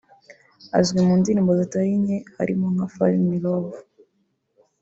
azwi mu ndirimbo zitari nke harimo nka Fall in Love